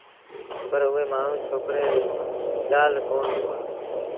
پر اُئي مآڻهوٚٚݩ ڇوڪري ريٚ ڳآل ڪونا سُوآݩدي